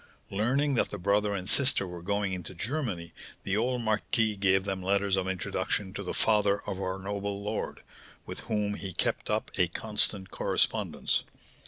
Learning that the brother and sister were going into Germany, the old marquis gave them letters of introduction to the father of our noble lord, with whom he kept up a constant correspondence.